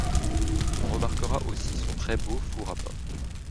On remarquera aussi son très beau four à pain.